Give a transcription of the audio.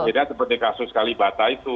tidak seperti kasus kalibata itu